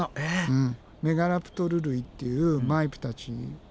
うん。